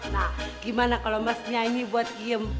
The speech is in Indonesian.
nah gimana kalau mas nyanyi buat diem